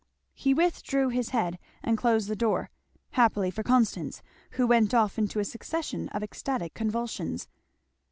He withdrew his head and closed the door, happily for Constance, who went off into a succession of ecstatic convulsions.